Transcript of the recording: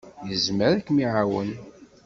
Yezmer ad kem-iɛawen.